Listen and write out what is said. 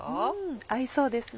合いそうですね。